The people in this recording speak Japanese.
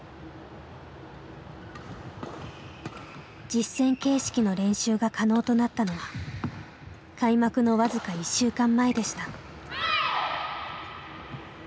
実戦形式の練習が可能となったのは開幕の僅か１週間前でした。